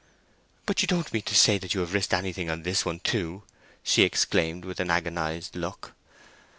"But you don't mean to say that you have risked anything on this one too!" she exclaimed, with an agonized look.